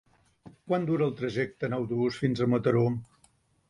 Quant dura el trajecte en autobús fins a Mataró?